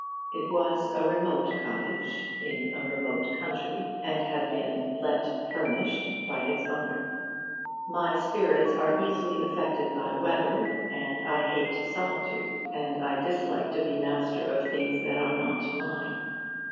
It was a remote cottage, in a remote county, and had been 'let furnished' by its owner. My spirits are easily affected by weather, and I hate solitude. And I dislike to be master of things that are not mine.